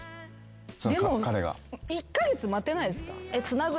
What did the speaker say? でも１カ月待てないですか？